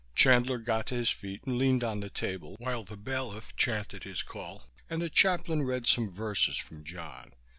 Chandler got to his feet and leaned on the table while the bailiff chanted his call and the chaplain read some verses from John.